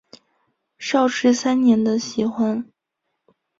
绍治三年的喜欢。